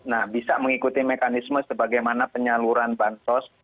nah bisa mengikuti mekanisme sebagaimana penyaluran bansos